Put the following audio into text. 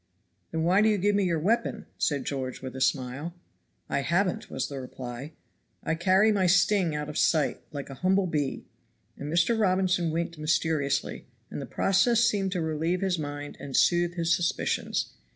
"Then why do you give me your weapon?" said George with a smile. "I haven't," was the reply. "I carry my sting out of sight, like a humble bee." And Mr. Robinson winked mysteriously, and the process seemed to relieve his mind and soothe his suspicions.